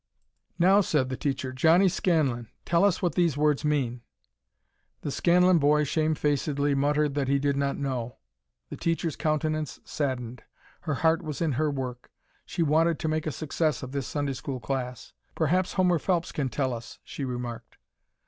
_" "Now," said the teacher, "Johnnie Scanlan, tell us what these words mean." The Scanlan boy shamefacedly muttered that he did not know. The teacher's countenance saddened. Her heart was in her work; she wanted to make a success of this Sunday school class. "Perhaps Homer Phelps can tell us," she remarked.